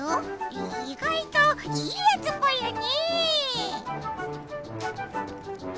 い意外といいやつぽよね。